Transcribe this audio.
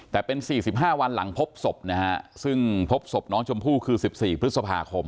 แต่เป็น๔๕วันหลังพบศพนะฮะซึ่งพบศพน้องชมพู่คือ๑๔พฤษภาคม